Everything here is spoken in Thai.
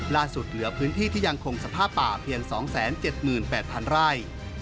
เหลือพื้นที่ที่ยังคงสภาพป่าเพียง๒๗๘๐๐๐ไร่